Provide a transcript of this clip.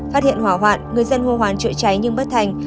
phát hiện hỏa hoạn người dân hô hoán chữa cháy nhưng bất thành